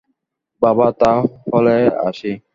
বাবা, তা হলে আসি।